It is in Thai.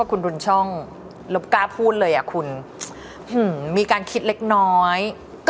แล้วก็พูดเลยมีการคิดเล็กน้อย